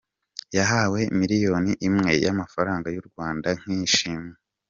Yahawe miliyoni imwe y’amafaranga y’u Rwanda nk’ishimwe.